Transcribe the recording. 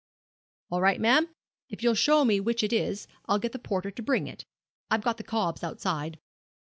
'All right, ma'am. If you'll show me which it is I'll tell the porter to bring it. I've got the cobs outside.'